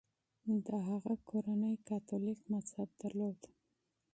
د هغه کورنۍ کاتولیک مذهب درلود.